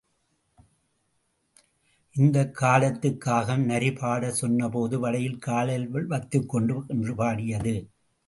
இந்தக் காலத்து காகம்— நரி பாடச் சொன்னபோது, வடையை காலில் வைத்துக்கொண்டு காகா—என்று பாடியது.